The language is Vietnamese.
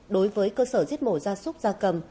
đối với cơ sở giết mổ gia súc gia cầm